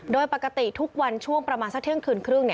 โดยปกติทุกวันช่วงประมาณสักเที่ยงคืนครึ่ง